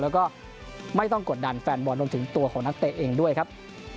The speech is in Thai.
แล้วก็ไม่ต้องกดดันแฟนบอลรวมถึงตัวของนักเตะเองด้วยครับ